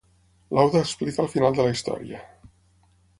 Lauda explica el final de la història.